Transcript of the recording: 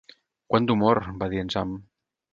"Quant d'humor", va dir en Sam.